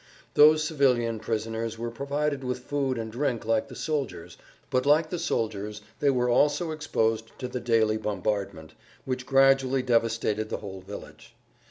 Those civilian prisoners were provided with food and drink like the soldiers, but like the soldiers they were also exposed to the daily bombardment, which gradually devastated the whole village.